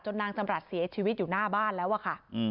นางจำรัฐเสียชีวิตอยู่หน้าบ้านแล้วอะค่ะ